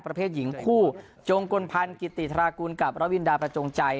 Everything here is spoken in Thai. ประเภทหญิงคู่จงกลพันธ์กิติธรากุลกับระวินดาประจงใจ